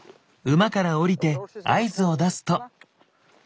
馬から下りて合図を出すと。